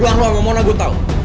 luar luar sama mona gue tau